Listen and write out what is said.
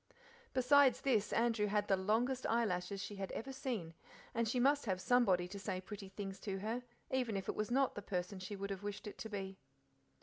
Besides this Andrew had the longest eyelashes she had ever seen and she must have somebody to say pretty things to her, even if it was not the person she would have wished it to be.